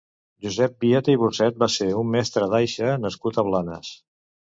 Josep Vieta i Burcet va ser un mestre d'aixa nascut a Blanes.